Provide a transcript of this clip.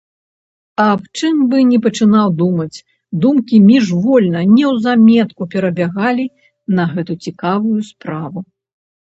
Аб чым бы ні пачынаў думаць, думкі міжвольна, неўзаметку перабягалі на гэту цікавую справу.